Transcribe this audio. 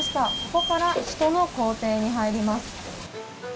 ここから人の工程に入ります。